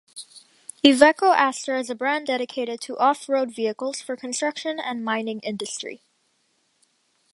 Iveco Astra is a brand dedicated to off-road vehicles for construction and mining industry.